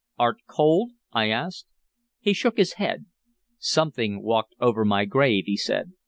"Art cold?" I asked. He shook his head. "Something walked over my grave," he said.